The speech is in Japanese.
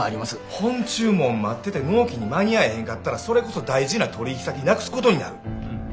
本注文待ってて納期に間に合えへんかったらそれこそ大事な取引先なくすことになる。